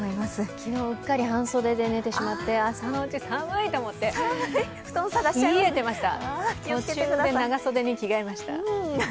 昨日、うっかり半袖で寝てしまって朝のうち寒いと思って冷えてました。